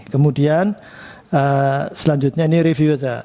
kemudian selanjutnya ini review saja